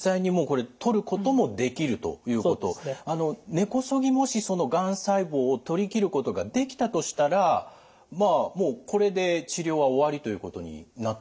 根こそぎもしがん細胞を取り切ることができたとしたらもうこれで治療は終わりということになってくるんでしょうか？